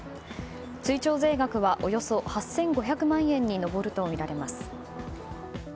追徴税額はおよそ８５００万円に上るとみられます。